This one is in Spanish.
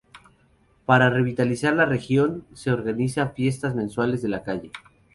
Para revitalizar la región, se organizan fiestas mensuales de la calle.